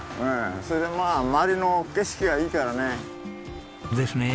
それでまあ周りの景色がいいからね。ですね。